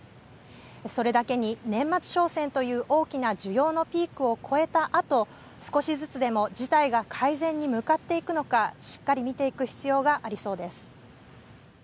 それだけに、年末商戦という大きな需要のピークを越えたあと、少しずつでも事態が改善に向かっていくのか、しっかり見ていく必要がありそうです。